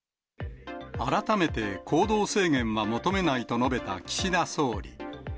改めて行動制限は求めないと述べた岸田総理。